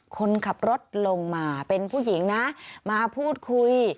คนขับรถลงมาเป็นผู้หญิงนะมาพูดคุย